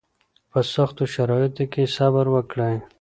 په سختو شرایطو کې صبر وکړئ